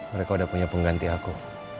mereka udah punya pengganti aku